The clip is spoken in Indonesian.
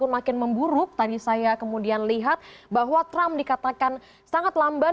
makin memburuk tadi saya kemudian lihat bahwa trump dikatakan sangat lamban